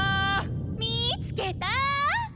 みつけたぁ！